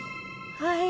はい。